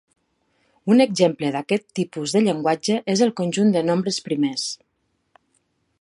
Un exemple d'aquest tipus de llenguatge és el conjunt de nombres primers.